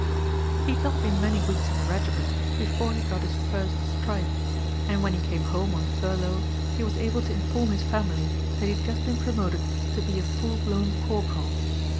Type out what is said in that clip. He had not been many weeks in the regiment before he got his first stripe, and when he came home on furlough he was able to inform his family that he had just been promoted to be a full blown Corporal.